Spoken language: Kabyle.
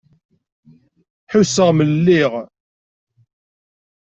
Ḥusseɣ mlelliɣ.